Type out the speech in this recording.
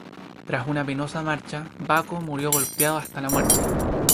Tras una penosa marcha, Baco murió golpeado hasta la muerte.